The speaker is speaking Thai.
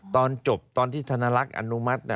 ตอนจบตอนที่ธนลักษณ์อนุมัติ